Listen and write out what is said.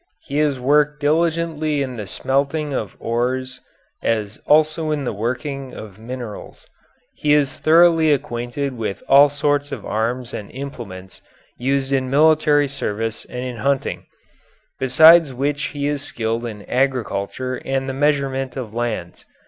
He has worked diligently in the smelting of ores as also in the working of minerals; he is thoroughly acquainted with all sorts of arms and implements used in military service and in hunting, besides which he is skilled in agriculture and in the measurement of lands.